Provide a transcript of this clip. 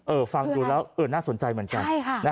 เออฟังดูแล้วน่าสนใจเหมือนกัน